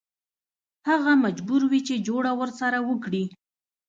هغه مجبور وي چې جوړه ورسره وکړي.